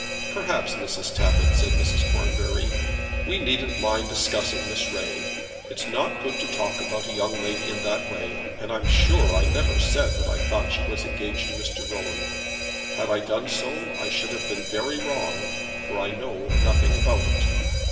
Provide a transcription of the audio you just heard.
"Perhaps, Mrs. Tappitt," said Mrs. Cornbury, "we needn't mind discussing Miss Ray. It's not good to talk about a young lady in that way, and I'm sure I never said that I thought she was engaged to Mr. Rowan. Had I done so I should have been very wrong, for I know nothing about it.